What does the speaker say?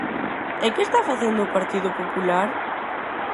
¿E que está facendo o Partido Popular?